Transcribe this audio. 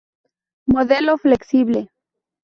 Modelo flexible.